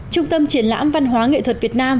trung tâm triển lãm văn hóa nghệ thuật việt nam